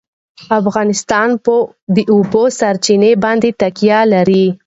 افغانستان په د اوبو سرچینې باندې تکیه لري.